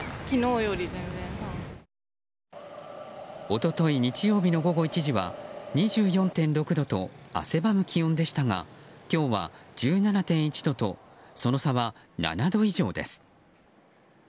一昨日、日曜日の午後１時は２４．６度と汗ばむ気温でしたが今日は１７．１度とその差は７度以上です。